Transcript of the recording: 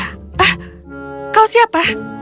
hah kau siapa